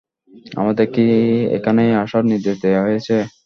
আমাদেরকে কি এখানেই আসার নির্দেশ দেয়া হয়েছে?